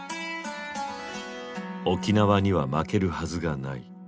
「沖縄には負けるはずがない」。